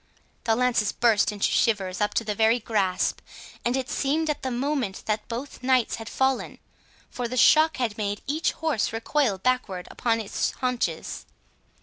The lances burst into shivers up to the very grasp, and it seemed at the moment that both knights had fallen, for the shock had made each horse recoil backwards upon its haunches.